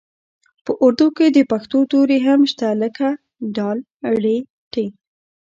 په اردو کې د پښتو توري هم شته لکه ډ ړ ټ